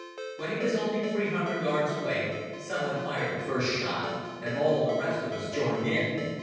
When he was only three hundred yards away someone fired the first shot and all the rest of us joined in.